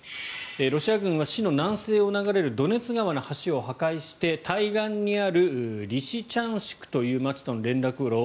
ロシア軍橋の南西を流れるドネツ川の橋を破壊して対岸にあるリシチャンシクという街との連絡路